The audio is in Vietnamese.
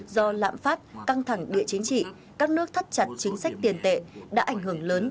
do lạm phát căng thẳng địa chính trị các nước thắt chặt chính sách tiền tệ đã ảnh hưởng lớn